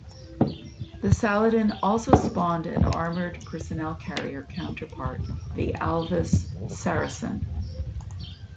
The Saladin also spawned an armoured personnel carrier counterpart, the Alvis Saracen.